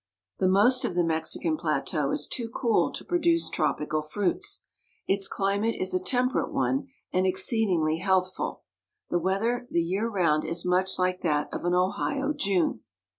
The most of the Mexican plateau is too cool to produce tropical fruits. Its climate is a temperate one and exceed ingly healthful. The weather the year round is much like that of an Ohio June.